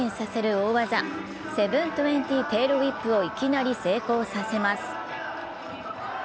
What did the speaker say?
大技７２０テイルウィップをいきなり成功させます。